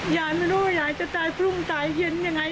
ยายไม่รู้ว่ายายจะตายพรุ่งตายเย็นยังไง